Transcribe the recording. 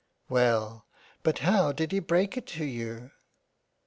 " Well, but how did he break it to you